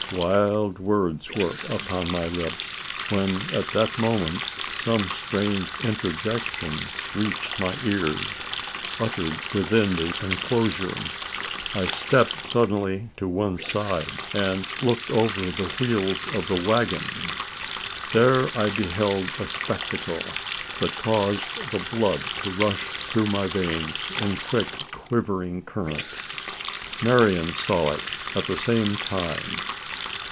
Wild words were upon my lips; when at that moment some strange interjections reached my ears, uttered within the enclosure. I stepped suddenly to one side, and looked over the wheels of the waggon. There I beheld a spectacle that caused the blood to rush through my veins in quick quivering current. Marian saw it at the same time.